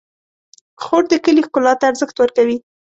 خور د کلي ښکلا ته ارزښت ورکوي.